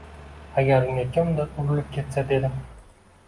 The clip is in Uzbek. Agar unga kimdir urilib ketsa dedim.